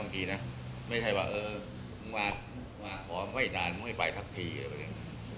บางทีน่ะไม่ใช่แบบเออมามาขอไม่นานไม่ไปทักทีอะไรแบบนี้